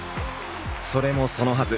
それもそのはず